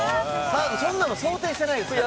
そんなの想定してないですから。